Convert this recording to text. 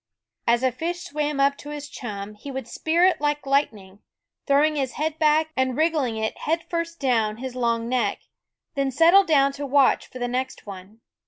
As a fish swam up to his chum he would spear it like lightning ; throw his head back and wriggle it head first down his long neck ; then settle down to watch for the next one.